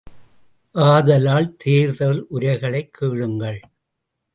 ஆதலால், தேர்தல் உரைகளைக் கேளுங்கள்!